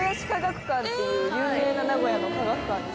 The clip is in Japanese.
っていう有名な名古屋の科学館です。